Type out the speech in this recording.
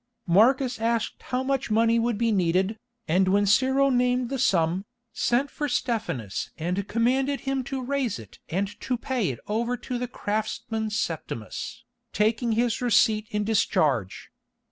Marcus asked how much money would be needed, and when Cyril named the sum, sent for Stephanus and commanded him to raise it and to pay it over to the craftsman Septimus, taking his receipt in discharge.